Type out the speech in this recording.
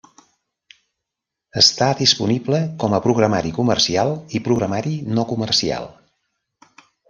Està disponible com a programari comercial i programari no comercial.